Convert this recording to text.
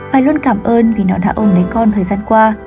phải luôn cảm ơn vì nó đã ôm đến con thời gian qua